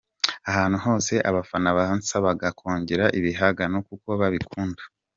Ahantu hose abafana bansabaga kongera ibihangano kuko babikunda.